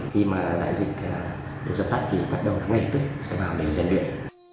khi mà đại dịch được giảm tắt thì bắt đầu ngay tức sẽ vào để giải luyện